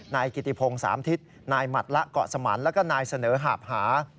นายกิติพงศ์สามทิศนายหมัดละเกาะสมันแล้วก็นายเสนอหาบหา